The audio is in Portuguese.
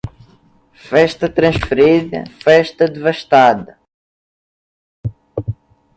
Festa transferida, festa devastada.